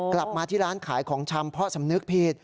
กลับมาที่ร้านขายของชำเพราะสำนึกผิด